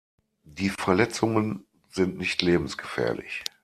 Die Verletzungen sind nicht lebensgefährlich.